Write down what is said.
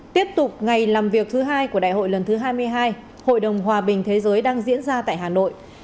tiếp tục ngày làm việc thứ hai của đại hội lần thứ hai mươi hai hội đồng hòa bình thế giới đang diễn ra tại hà nội